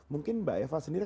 mungkin mbak eva sendiri